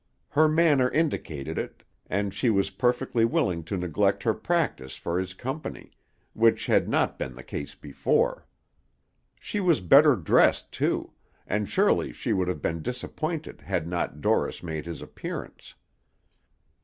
Her manner indicated it, and she was perfectly willing to neglect her practice for his company, which had not been the case before. She was better dressed, too; and surely she would have been disappointed had not Dorris made his appearance.